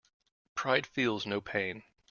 Pride feels no pain.